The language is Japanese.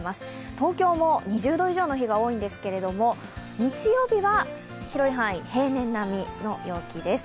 東京も２０度以上の日が多いんですけれども、日曜日は広い範囲、平年並みの陽気です。